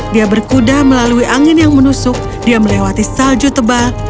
dia berkuda melalui angin yang menusuk dia melewati salju tebal